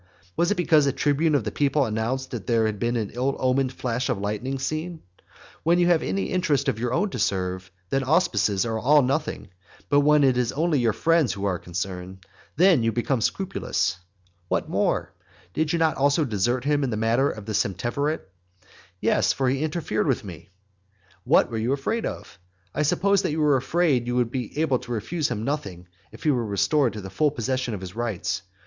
Was it because a tribune of the people announced that there had been an ill omened flash of lightning seen? When you have any interest of your own to serve, then auspices are all nothing; but when it is only your friends who are concerned, then you become scrupulous. What more? Did you not also desert him in the matter of the septemvirate? "Yes, for he interfered with me." What were you afraid of? I suppose you were afraid that you would be able to refuse him nothing if he were restored to the full possession of his rights.